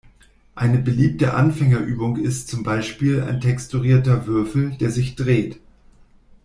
Eine beliebte Anfängerübung ist zum Beispiel ein texturierter Würfel, der sich dreht.